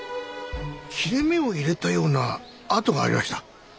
切れ目を入れたような跡がありました。